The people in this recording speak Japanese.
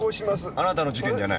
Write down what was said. あなたの事件じゃない。